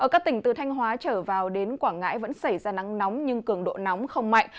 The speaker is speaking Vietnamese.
các tỉnh từ thanh hóa trở vào đến quảng ngãi vẫn xảy ra nắng nóng nhưng cường độ nóng không mạnh